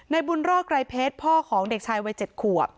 ในบุญรอกไกรเพชรพ่อของเด็กชายวัยเจ็ดขัว